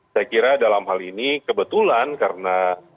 saya kira dalam hal ini kebetulan karena